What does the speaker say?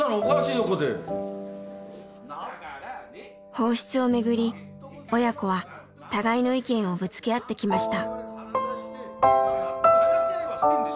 放出をめぐり親子は互いの意見をぶつけ合ってきました。